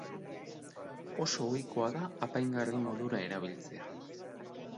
Oso ohikoa da apaingarri modura erabiltzea.